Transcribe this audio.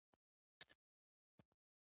د څېړنې عنوان مدني مقاومت کله بریالی کیږي دی.